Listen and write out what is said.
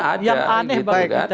yang aneh bagi kita